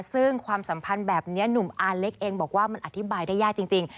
ซึ่งความสัมพันธ์แบบนี้หนุ่มอาเล็กเองบอกว่ามันอธิบายได้ยากจริง